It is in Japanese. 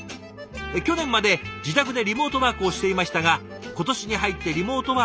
「去年まで自宅でリモートワークをしていましたが今年に入ってリモートワーク